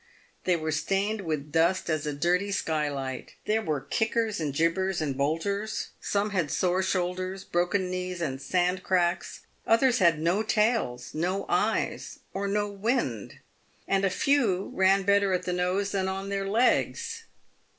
They were stained with dust as a dirty skylight. There were kickers, and jibbers, and bolters ; some had sore shoulders, broken knees, and sand cracks ; others had no tails, no eyes, or no wind ; and a few ran better at the nose than on their legs.